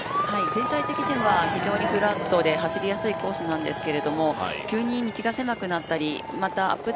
全体的には非常にフラットで走りやすいコースなんですけど急に道が狭くなったりアップ